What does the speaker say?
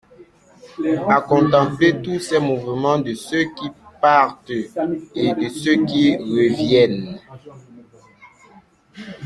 À contempler tous ces mouvements de ceux qui partent et de ceux qui reviennent.